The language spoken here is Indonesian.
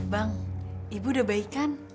bang ibu udah baik kan